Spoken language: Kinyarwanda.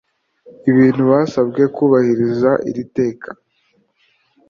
ibintu basabwe kubahiriza iri teka